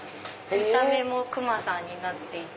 見た目もクマさんになっていて。